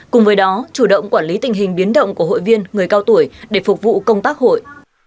cùng với đó chủ động quản lý tình hình biến động của hội viên người cao tuổi để phục vụ công tác hội